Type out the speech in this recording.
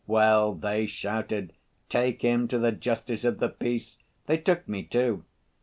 Well, they shouted, 'Take him to the justice of the peace!' They took me, too.